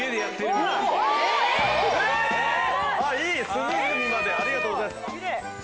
隅々までありがとうございます。